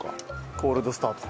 コールドスタート。